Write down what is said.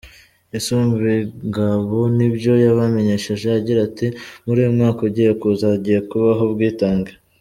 Isumbingabo ni byo yabamenyesheje agira ati: «Muri uyu mwaka ugiye kuza hagiye kubaho ubwitange.